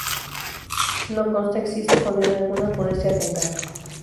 No consta existe condena alguna por este atentado.